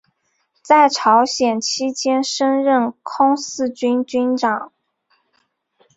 在朝鲜期间升任空四军军长。